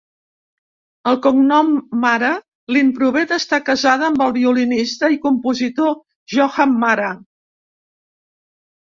El cognom Mara li'n prové d'estar casada amb el violinista i compositor Johann Mara.